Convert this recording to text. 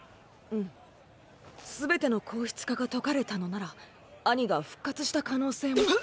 うんすべての硬質化が解かれたのならアニが復活した可能性も。